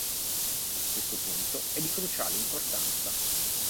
Questo punto è di cruciale importanza.